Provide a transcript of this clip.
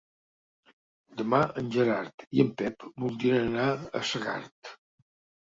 Demà en Gerard i en Pep voldrien anar a Segart.